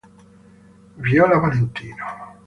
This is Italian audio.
Viola Valentino.